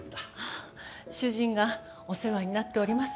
ああ主人がお世話になっております。